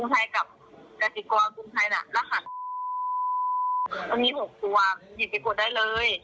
ส่วนหญิงไปกดได้เลย